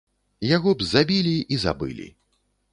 Яго б забілі і забылі.